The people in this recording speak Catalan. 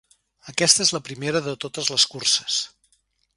Aquesta és la primera de totes les curses.